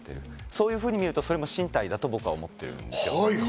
そういうふうに見るとそれも身体だと僕は思っている。